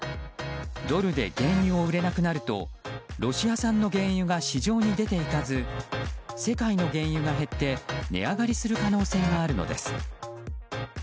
ドルで原油を売れなくなるとロシア産の原油が市場に出て行かず世界の原油が減って値上がりする可能性があるのです。